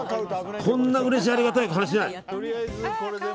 こんなうれしいありがたい話はない。